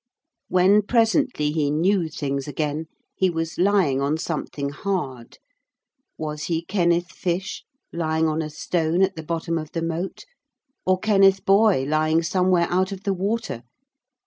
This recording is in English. When presently he knew things again, he was lying on something hard. Was he Kenneth Fish lying on a stone at the bottom of the moat, or Kenneth Boy lying somewhere out of the water?